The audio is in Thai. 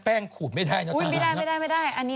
แป้งขุดไม่ได้ไม่ได้